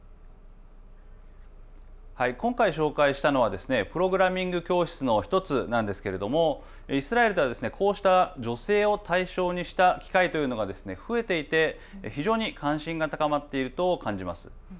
今回紹介したのはプログラミング教室の１つなんですけれどもイスラエルではこうした女性を対象にした機会というのが増えていて、非常に関心が高まっていると感じます。